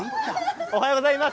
おはようございます。